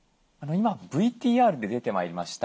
今ＶＴＲで出てまいりました